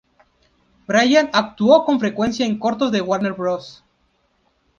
Bryan actuó con frecuencia en cortos de Warner Bros.